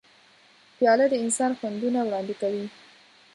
پیاله د انسان خوندونه وړاندې کوي.